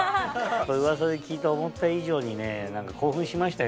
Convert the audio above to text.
ウワサで聞いた思った以上にね何か興奮しましたよ